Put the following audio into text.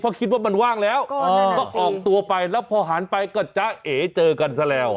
เพราะคิดว่ามันว่างแล้วก็ออกตัวไปแล้วพอหันไปก็จ๊ะเอ๋เจอกันซะแล้ว